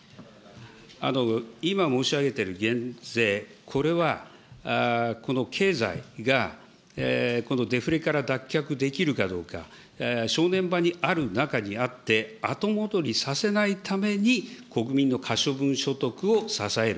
今申し上げている減税、これは経済がデフレから脱却できるかどうか、正念場にある中にあって、後戻りさせないために、国民の可処分所得を支える。